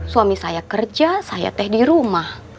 suami saya kerja saya teh di rumah